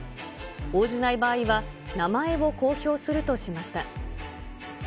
応じない場合は、名前を公表するとしました。